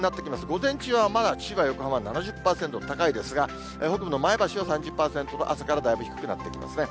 午前中はまだ千葉、横浜７０％、高いですが、北部の前橋は３０％と、朝からだいぶ低くなってきますね。